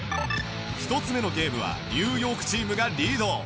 １つ目のゲームはニューヨークチームがリード